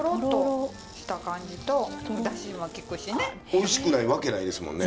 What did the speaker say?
おいしくないわけないですもんね。